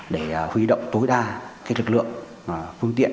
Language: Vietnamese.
để huy động tối đa lực lượng phương tiện